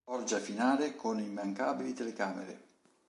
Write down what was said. Orgia finale con immancabili telecamere.